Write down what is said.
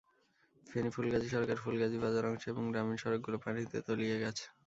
ফেনী-ফুলগাজী সড়কের ফুলগাজী বাজার অংশ এবং গ্রামীণ সড়কগুলো পানিতে তলিয়ে গেছে।